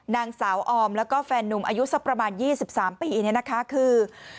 นางสาวออมแล้วก็แฟนนุ่มอายุสักประมาณ๒๓ปีเนี่ยนะคะคือ